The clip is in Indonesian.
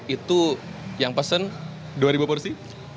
itu yang pesen dua ribu porsi